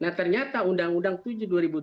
nah ternyata undang undang tujuh dua ribu tujuh belas